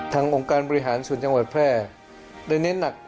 องค์การบริหารส่วนจังหวัดแพร่ได้เน้นหนัก